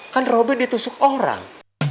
kan robi ditusuk orang